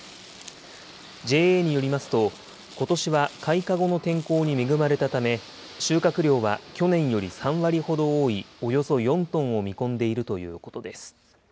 ＪＡによりますと、ことしは開花後の天候に恵まれたため、収穫量は去年より３割ほど多い、およそ４トンを見込んでいるということです。